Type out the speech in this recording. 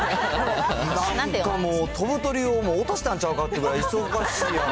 なんかもう、飛ぶ鳥をもう落としたんちゃうかっていうぐらい忙しいやろ。